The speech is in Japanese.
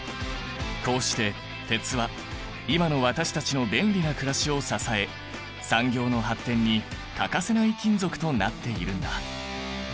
こうして鉄は今の私たちの便利なくらしを支え産業の発展に欠かせない金属となっているんだ。